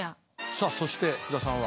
さあそして福田さんは。